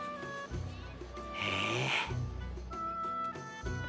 へえ。